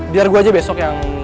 biar gue aja besok yang